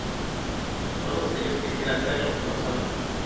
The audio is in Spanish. Todos ellos quisieran ser lo que no son.